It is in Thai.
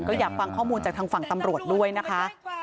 ก็อยากฟังข้อมูลจากทางฝั่งตำรวจด้วยนะคะ